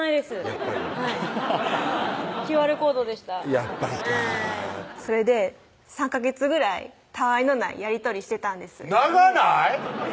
やっぱりはいＱＲコードでしたやっぱりかそれで３ヵ月ぐらいたあいのないやり取りしてたんです長ない？